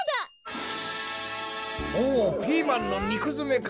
おっピーマンのにくづめか！